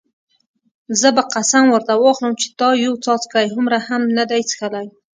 زه به قسم ورته واخلم چې تا یو څاڅکی هومره هم نه دی څښلی.